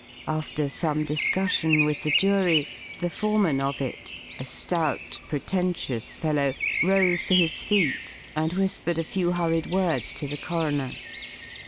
After some discussion with the jury, the foreman of it, a stout, pretentious fellow, rose to his feet and whispered a few hurried words to the coroner.